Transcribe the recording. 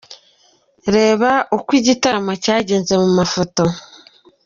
Reba uko iki gitaramo cyagenze mu mafoto:.